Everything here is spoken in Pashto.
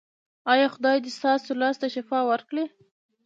ایا خدای دې ستاسو لاس ته شفا ورکړي؟